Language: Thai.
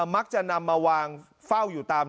มักจะนำมาวางเฝ้าอยู่ตาม